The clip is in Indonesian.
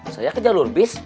saya ke jalur bis